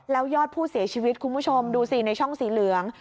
แล้วยอดผู้เสียชีวิตคุณผู้ชมดูสิในช่องสีเหลือง